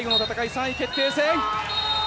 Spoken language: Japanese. ３位決定戦。